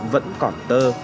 vẫn còn tơ